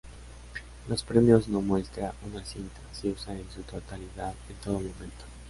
Los premios no muestra una cinta se usan en su totalidad en todo momento".